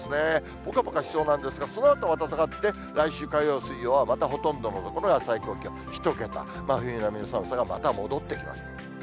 ぽかぽかしそうなんですが、そのあとまた下がって、来週火曜、水曜はまたほとんどの所は最高気温１桁、真冬並みの寒さがまた戻ってきます。